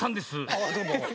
ああどうも。